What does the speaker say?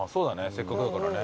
せっかくだからね。